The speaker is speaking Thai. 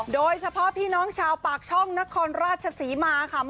โดยเฉพาะพี่น้องชาวปากช่องนครราชศรีมาค่ะ